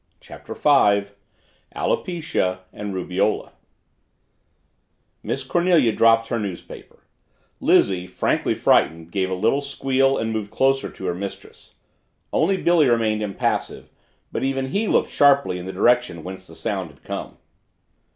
CHAPTER FIVE ALOPECIA AND RUBEOLA Miss Cornelia dropped her newspaper. Lizzie, frankly frightened, gave a little squeal and moved closer to her mistress. Only Billy remained impassive but even he looked sharply in the direction whence the sound had come.